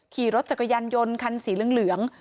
ขี่รถจักรยานยนต์คันสีเหลือง